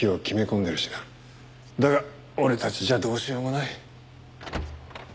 だが俺たちじゃどうしようもない。